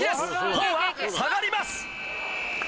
今は下がります。